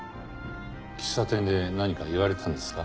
喫茶店で何か言われたんですか？